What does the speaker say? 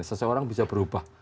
seseorang bisa berubah